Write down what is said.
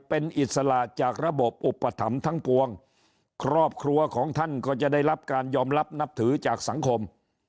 เป็นอิสระจากระบบอุปถัมภ์ทั้งปวงครอบครัวของท่านก็จะได้รับการยอมรับนับถือจากสังคม